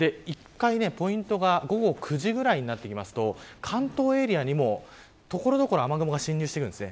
ポイントが午後９時ぐらいになってきますと関東エリアにも所々、雨雲が侵入してきます。